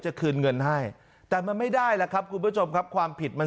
จะคืนเงินให้แต่มันไม่ได้แล้วครับคุณผู้ชมครับความผิดมัน